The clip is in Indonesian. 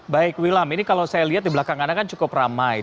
baik wilam ini kalau saya lihat di belakang anda kan cukup ramai